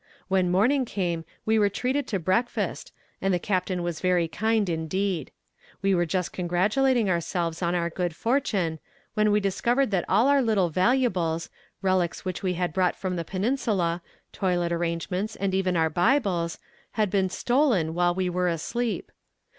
When morning came we were treated to breakfast, and the captain was very kind indeed. We were just congratulating ourselves on our good fortune, when we discovered that all our little valuables, relics which we had brought from the Peninsula, toilet arrangements, and even our Bibles, had been stolen while we were asleep.